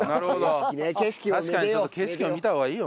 確かにちょっと景色を見た方がいいよね。